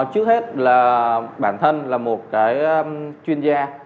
trước hết là bản thân là một chuyên gia